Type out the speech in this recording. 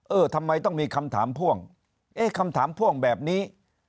เออทำไมต้องมีคำถามพ่วงเอ๊ะคำถามพ่วงแบบนี้